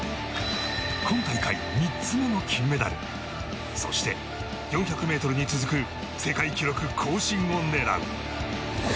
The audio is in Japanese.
今大会３つ目の金メダルそして、４００ｍに続く世界記録更新を狙う。